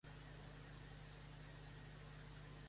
Wei ha mostrado esa integridad porque eres un gran emperador.